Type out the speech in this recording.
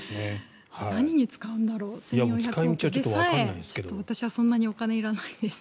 何に使うんだろう１４００億円でさえ私はお金いらないです。